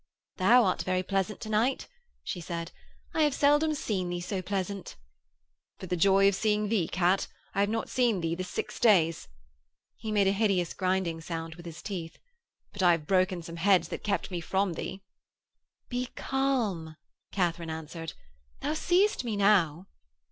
'Thou art very pleasant to night,' she said. 'I have seldom seen thee so pleasant.' 'For joy of seeing thee, Kat. I have not seen thee this six days.' He made a hideous grinding sound with his teeth. 'But I have broken some heads that kept me from thee.' 'Be calm,' Katharine answered; 'thou seest me now.'